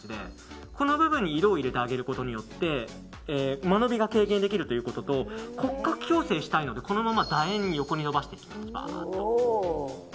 この部分に色を入れてあげることによって間延びが軽減できるということと骨格矯正したいのでこのまま楕円に横に伸ばしていきます。